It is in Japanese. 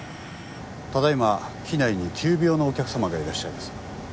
ただ今機内に急病のお客様がいらっしゃいます。